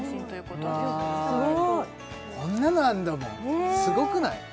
こんなのあるんだもんすごくない？